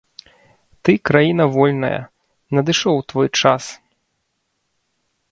Ты краіна вольная, надышоў твой час.